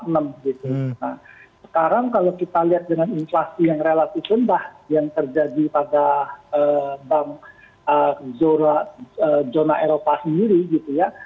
nah sekarang kalau kita lihat dengan inflasi yang relatif rendah yang terjadi pada bank zona eropa sendiri gitu ya